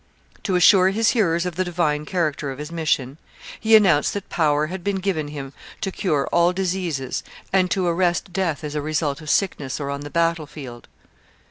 To assure his hearers of the divine character of his mission, he announced that power had been given him to cure all diseases and to arrest death as a result of sickness or on the battlefield.